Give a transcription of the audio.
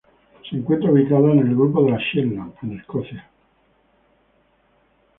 Se encuentra ubicada en el grupo de las Shetland, en Escocia.